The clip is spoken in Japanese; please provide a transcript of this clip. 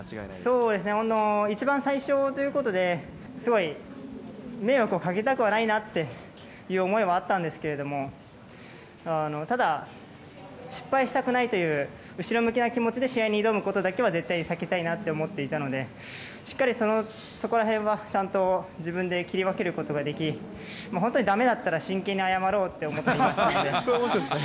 そうですね、一番最初ということで、すごい、迷惑をかけたくはないなっていう思いはあったんですけれども、ただ、失敗したくないという、後ろ向きな気持ちで試合に挑むことだけは絶対に避けたいなって思っていたので、しっかりそこらへんはちゃんと自分で切り分けることができ、本当にだめだったら、真剣に謝ろうと思っていましたので。